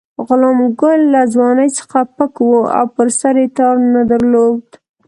غلام ګل له ځوانۍ څخه پک وو او پر سر یې تار نه درلود.